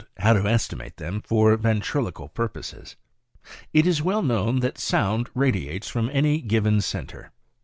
— How to Estimate them for Ventriloquial Purposes. p is well known that sound radiates from any given centre.